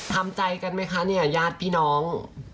ทำใจกันไหมคะญาติพี่น้อง